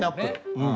うん。